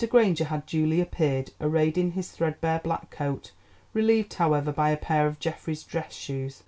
Granger had duly appeared, arrayed in his threadbare black coat, relieved, however, by a pair of Geoffrey's dress shoes.